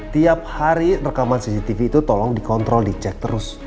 tiap hari rekaman cctv itu tolong dikontrol dicek terus